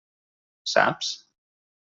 Saps?